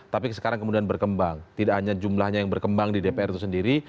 tapi sekarang kemudian berkembang tidak hanya jumlahnya yang berkembang di dpr itu sendiri